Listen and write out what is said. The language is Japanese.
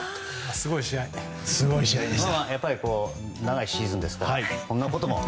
すごい試合でした。